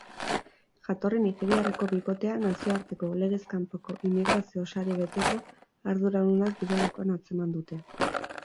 Jatorri nigeriarreko bikotea nazioarteko legez kanpoko immigrazio sare bateko arduradunak direlakoan atzeman dute.